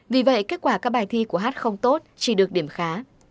vì vậy kết quả các bài thi của hát không tốt chỉ được điểm khá